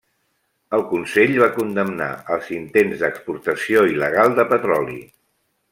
El Consell va condemnar els intents d'exportació il·legal de petroli.